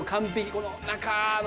この中のね。